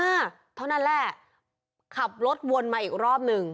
เท่านั้นแหละขับรถวนมาอีกรอบหนึ่ง